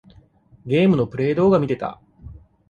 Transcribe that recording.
ゲームのプレイ動画みてた。